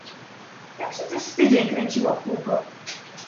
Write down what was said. "Tak się coś z tydzień kręciło w kółko."